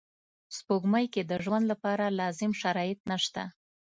سپوږمۍ کې د ژوند لپاره لازم شرایط نشته